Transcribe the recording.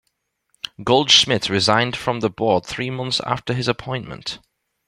Goldschmidt resigned from the board three months after his appointment.